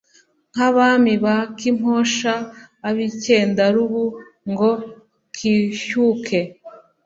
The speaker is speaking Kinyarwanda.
Nk'Abami ba Kimposha Ab'icyendarubu ngo kishyuke,